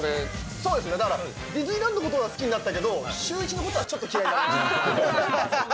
そうですね、だから、ディズニーランドのことは好きになったけど、シューイチのことはあー！